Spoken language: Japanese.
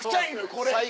これ。